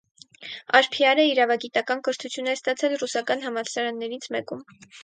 Արփիարը իրավագիտական կրթություն է ստացել ռուսական համալսարաններից մեկում։